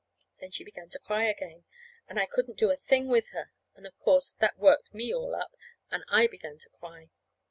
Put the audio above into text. Then she began to cry again, and I couldn't do a thing with her; and of course, that worked me all up and I began to cry.